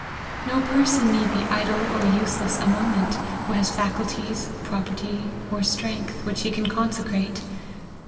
No person need be idle or useless a moment, who has faculties, pro perty, or strength, which he can consecrate.